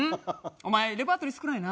お前レパートリー少ないな。